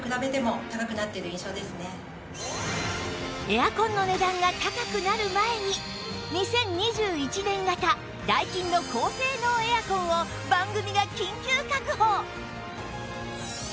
エアコンの値段が高くなる前に２０２１年型ダイキンの高性能エアコンを番組が緊急確保！